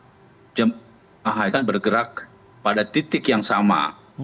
semua jemaah haji bergerak pada titik yang sama